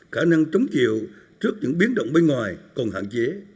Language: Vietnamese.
khả năng chống chịu trước những biến động bên ngoài còn hạn chế